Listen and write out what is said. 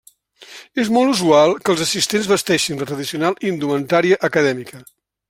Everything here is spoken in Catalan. És molt usual que els assistents vesteixin la tradicional indumentària acadèmica.